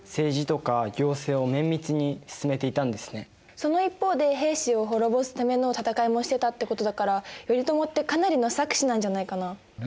その一方で平氏を滅ぼすための戦いもしてたってことだから頼朝ってかなりの策士なんじゃないかな？ね。